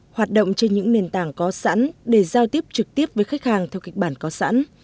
hoạt động trên những nền tảng có sẵn để giao tiếp trực tiếp với khách hàng theo kịch bản có sẵn